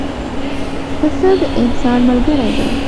پسه د انسان ملګری دی.